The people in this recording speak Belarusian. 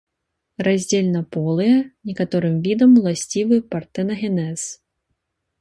Раздзельнаполыя, некаторым відам уласцівы партэнагенез.